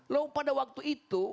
lo pada waktu itu